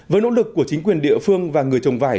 với nỗ lực của chính quyền địa phương và người trồng vải